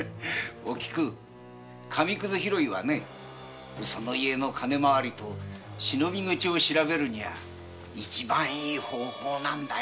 紙屑拾いはその家の金回りと忍び口を調べるには一番いい方法なんだ。